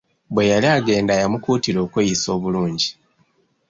Bwe yali agenda yamukuutira okweyisa obulungi.